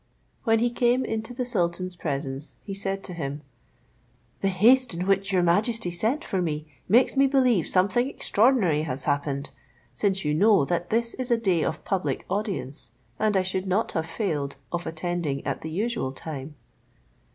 When he came into the sultan's presence, he said to him, '"The haste in which your majesty sent for me makes me believe something extraordinary has happened, since you know that this is a day of public audience, and I should not have failed of attending at the usual time."